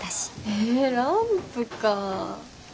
へえランプかぁ。